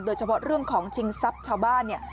โดยเฉพาะเรื่องของชิงทรัพย์ชาวบ้านเนี่ย